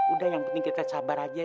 udah yang penting kita sabar aja